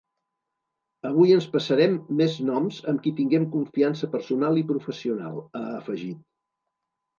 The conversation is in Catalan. Avui ens passarem més noms amb qui tinguem confiança personal i professional, ha afegit.